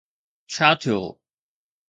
ڇا ٿيو؟